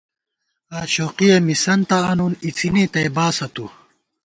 آشوقہ مِسَنتہ آنون اِڅِنےتئ باسہ تُو